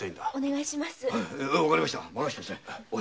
わかりました。